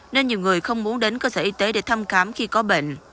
nên nhiều người không muốn đến cơ sở y tế để thăm khám khi có bệnh